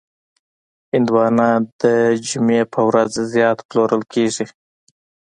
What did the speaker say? هندوانه د جمعې په ورځ زیات پلورل کېږي.